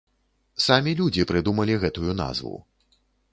Самі людзі прыдумалі гэтую назву.